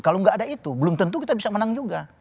kalau nggak ada itu belum tentu kita bisa menang juga